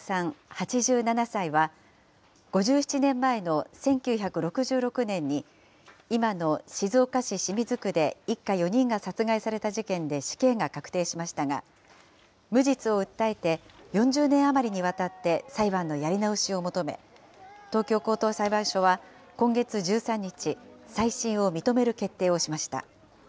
８７歳は、５７年前の１９６６年に今の静岡市清水区で一家４人が殺害された事件で死刑が確定しましたが、無実を訴えて、４０年余りにわたって裁判のやり直しを求め、東京高等裁判所は今月１３日、再審を認める決定をしました。